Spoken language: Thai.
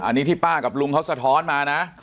อันนี้ที่ป้ากับลุงเขาสะท้อนมานะ